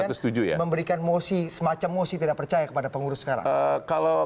kemudian memberikan mosi semacam mosi tidak percaya kepada pengurus sekarang